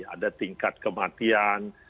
ada tingkat kematian